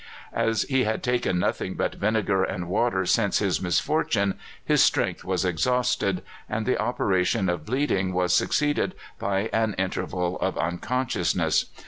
As he had taken nothing but vinegar and water since his misfortune, his strength was exhausted, and the operation of bleeding was succeeded by an interval of unconsciousness.